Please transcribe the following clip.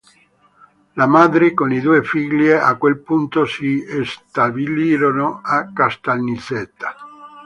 La madre con i due figli a quel punto si stabilirono a Caltanissetta.